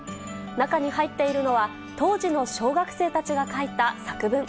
中に入っているのは、当時の小学生たちが書いた作文。